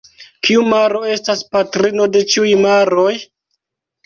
Kiu maro estas patrino de ĉiuj maroj?